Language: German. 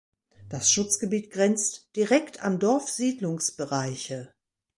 Das Schutzgebiet grenzt direkt an Dorfsiedlungsbereiche.